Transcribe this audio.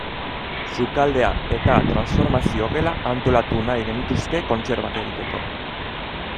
Sukaldea eta transformazio gela antolatu nahi genituzke kontserbak egiteko.